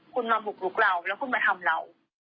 คุณมาบุกลุกเราแล้วคุณมาทำเรา